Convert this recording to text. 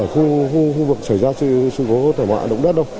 không chỉ ở khu vực xảy ra sự thảm họa động đất đâu